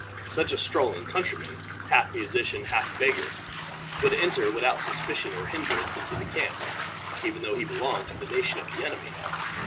Such a strolling countryman, half musician, half beggar would enter without suspicion or hinderance into the camp, even though he belonged to the nation of the enemy.